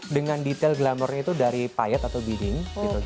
dengan detail glamournya itu dari payet atau beading